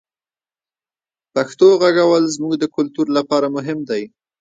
پښتو غږول زموږ د کلتور لپاره مهم دی.